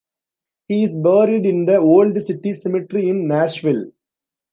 He is buried in the old City Cemetery in Nashville.